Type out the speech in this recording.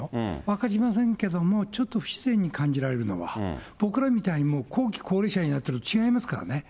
分かりませんけれども、ちょっと不自然に感じられるのは、僕らみたいな後期高齢者になってるのとは違いますからね。